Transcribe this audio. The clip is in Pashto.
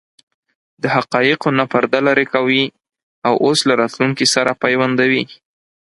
د حقایقو نه پرده لرې کوي او اوس له راتلونکې سره پیوندوي.